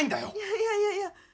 いやいやいや。